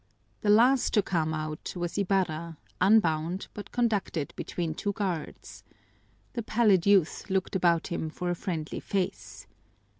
The last to come out was Ibarra, unbound, but conducted between two guards. The pallid youth looked about him for a friendly face.